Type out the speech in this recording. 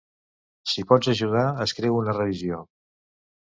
Si pots ajudar, escriu una revisió.